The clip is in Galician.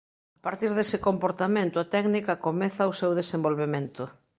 A partir dese comportamento a técnica comeza o seu desenvolvemento.